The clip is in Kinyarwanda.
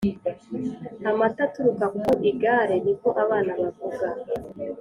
Amata aturuka ku igare niko abana bavuga